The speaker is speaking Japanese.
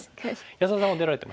安田さんは出られてます？